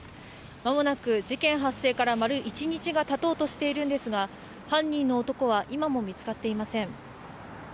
間もなく事件発生から丸一日がたとうとしてるんですが犯人の男は今も見つかっていません。